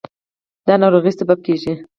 د ناروغۍ سبب کېږي.